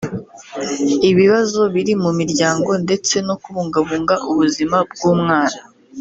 ibibazo biri mu miryango ndetse no kubungabunga ubuzima bw’umwana